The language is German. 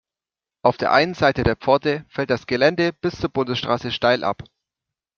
Auf der einen Seite der Pforte fällt das Gelände bis zur Bundesstraße steil ab.